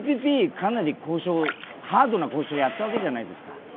かなりハードな交渉やったわけじゃないですか。